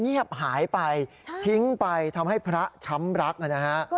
เงียบหายไปทิ้งไปทำให้พระช้ำรักนะฮะ